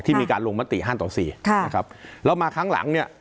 ที่มีการลงมติ๕ต่อ๔นะครับแล้วมาครั้งหลังเนี่ย